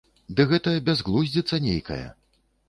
Ды гэта бязглудзіца нейкая.